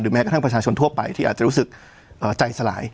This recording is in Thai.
แม้กระทั่งประชาชนทั่วไปที่อาจจะรู้สึกใจสลาย